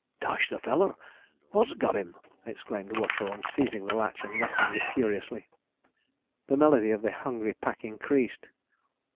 'Dash the feller! wot's got'im?' exclaimed Watchorn, seizing the latch, and rattling it furiously. The melody of the hungry pack increased.